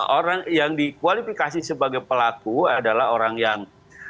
orang yang dikualifikasi sebagai pelaku adalah orang yang